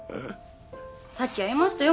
さっき会いましたよ